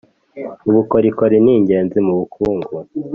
ubukorikori ningenzi mubukungu